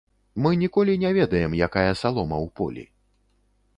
Мы ніколі не ведаем, якая салома ў полі.